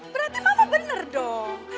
berarti mama bener dong